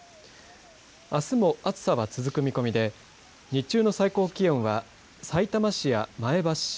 あすも暑さは続く見込みで日中の最高気温はさいたま市や前橋市